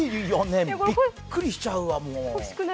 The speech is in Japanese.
びっくりしちゃうわ、もう。